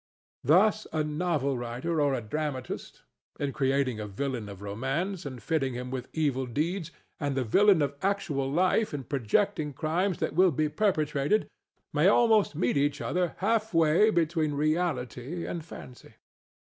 Thus a novel writer or a dramatist, in creating a villain of romance and fitting him with evil deeds, and the villain of actual life in projecting crimes that will be perpetrated, may almost meet each other halfway between reality and fancy.